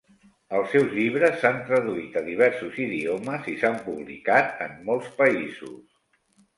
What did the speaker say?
Els seus llibres s'han traduït a diversos idiomes i s'han publicat en molts països.